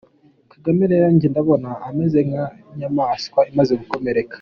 Kagame rero njye ndabona ameze nka ya nyamaswa imaze gukomereka.